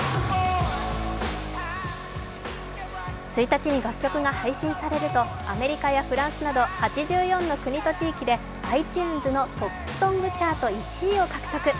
１日に楽曲が配信されると、アメリカやフランスなど８４の国と地域でｉＴｕｎｅｓのトップソングチャート１位を獲得。